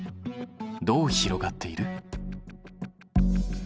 どう広がっている？